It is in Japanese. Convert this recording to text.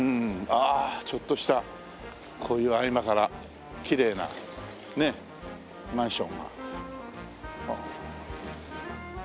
ああちょっとしたこういう合間からきれいなマンションが。